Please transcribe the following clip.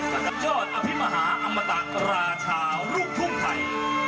กับยอดอภิมหาอมตะราชาลูกทุ่งไทย